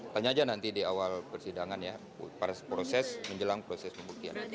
tanya aja nanti di awal persidangan ya proses menjelang proses pembuktian